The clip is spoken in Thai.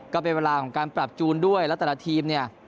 ก็เป็นเวลาของการปรับจูนด้วยแล้วแต่ละทีมเนี่ย